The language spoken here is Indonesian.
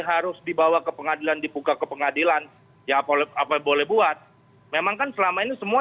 harus dibawa ke pengadilan dibuka ke pengadilan ya boleh apa boleh buat memang kan selama ini semua